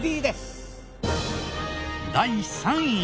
第３位。